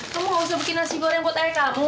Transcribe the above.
tunggu gak usah bikin nasi goreng buat ayah kamu